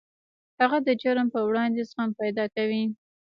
هغه د جرم پر وړاندې زغم پیدا کوي